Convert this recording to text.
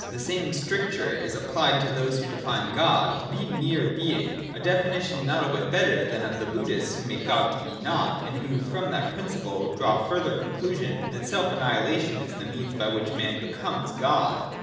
The same stric ture is applicable to those who define God to be mere Being ; a definition not a whit better than that of the Bud dhists, who make God to be Nought, and who from that principle draw the further conclusion that self annihilation is the means by which man becomes God.